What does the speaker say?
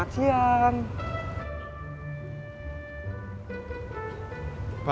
bro tuh liat sarangnya